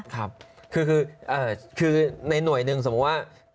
ครับคือในหน่วยหนึ่งสมมุติว่า